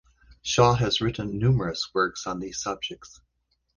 Shaw has written numerous works on these subjects.